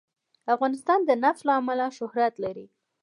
افغانستان د نفت له امله شهرت لري.